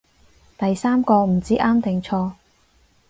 第三個唔知啱定錯